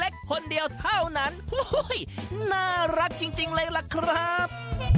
คนเดียวเท่านั้นน่ารักจริงเลยล่ะครับ